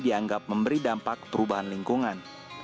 dianggap memberi dampak perubahan lingkungan